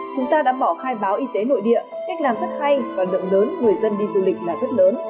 chúng ta đã bỏ khai báo y tế nội địa cách làm rất hay và lượng lớn người dân đi du lịch là rất lớn